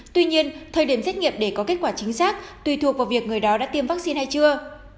tuy nhiên thời điểm xét nghiệm để có kết quả chính xác tùy thuộc vào việc người đó đã tiêm vaccine hay chưa